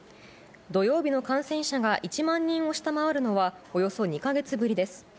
土曜日の感染者が１万人を下回るのはおよそ２か月ぶりです。